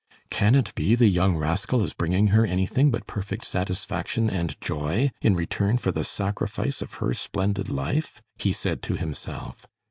"Can it be the young rascal is bringing her anything but perfect satisfaction and joy in return for the sacrifice of her splendid life?" he said to himself.